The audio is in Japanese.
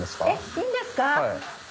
いいんですか？